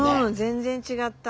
全然違った。